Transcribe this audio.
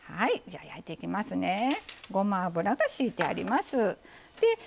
ごま油が引いてあります。